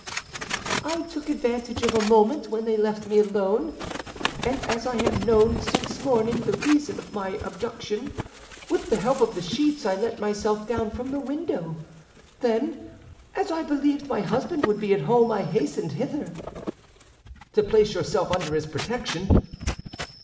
"I took advantage of a moment when they left me alone; and as I had known since morning the reason of my abduction, with the help of the sheets I let myself down from the window. Then, as I believed my husband would be at home, I hastened hither." "To place yourself under his protection?"